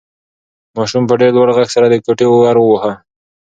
ماشوم په ډېر لوړ غږ سره د کوټې ور واهه.